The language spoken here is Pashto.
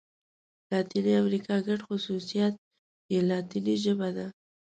لاتیني امريکا ګډ خوصوصیات یې لاتيني ژبه ده.